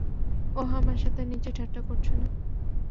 ওহ, আমার সাথে নিশ্চয় ঠাট্টা করছো, না?